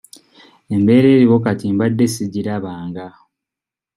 Embeera eriwo kati mbadde sigiraba nga.